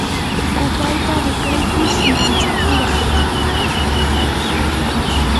hupayta rikaykush mantsakurqa.